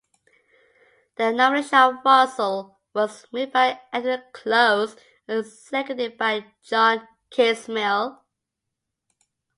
The nomination of Russell was moved by Edward Close and seconded by John Kingsmill.